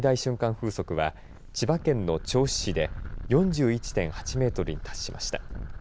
風速は千葉県の銚子市で４１．８メートルに達しました。